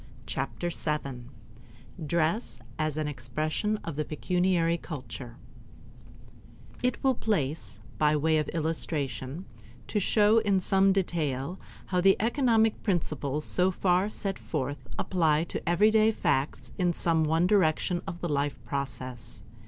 Chapter Seven ~~ Dress as an Expression of the Pecuniary Culture It will in place, by way of illustration, to show in some detail how the economic principles so far set forth apply to everyday facts in some one direction of the life process.